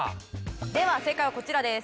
では正解はこちらです。